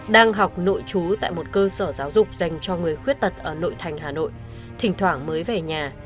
đang học nội trú tại một cơ sở giáo dục dành cho người khuyết tật ở nội thành hà nội thỉnh thoảng mới về nhà